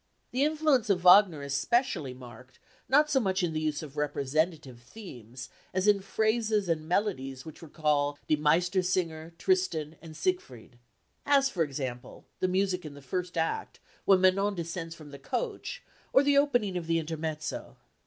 The influence of Wagner is specially marked not so much in the use of representative themes as in phrases and melodies which recall Die Meistersinger, Tristan, and Siegfried. As, for example, the music in the first act, when Manon descends from the coach, or the opening of the intermezzo....